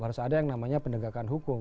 harus ada yang namanya pendegakan hukum